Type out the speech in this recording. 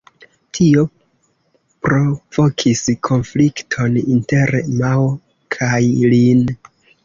Tio provokis konflikton inter Mao kaj Lin.